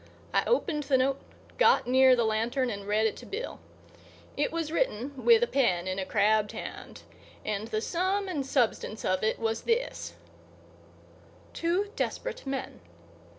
I opened the note, got near the lantern and read it to Bill. It was written with a pen in a crabbed hand, and the sum and substance of it was this: _Two Desperate Men.